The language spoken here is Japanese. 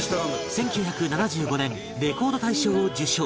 １９７５年レコード大賞を受賞